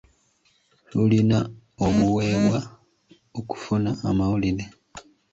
Tulina obuweebwa okufuna amawulire.